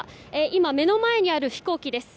今、目の前にある飛行機です。